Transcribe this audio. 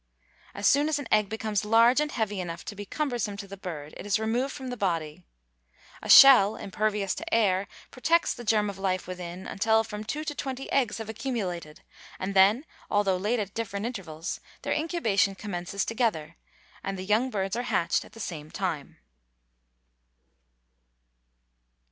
As soon as an egg becomes large and heavy enough to be cumbersome to the bird, it is removed from the body. A shell, impervious to air, protects the germ of life within, until from two to twenty eggs have accumulated, and then, although laid at different intervals, their incubation commences together, and the young birds are hatched at the same time.